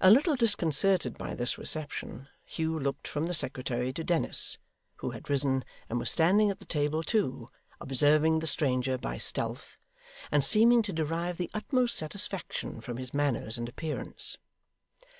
A little disconcerted by this reception, Hugh looked from the secretary to Dennis, who had risen and was standing at the table too, observing the stranger by stealth, and seeming to derive the utmost satisfaction from his manners and appearance.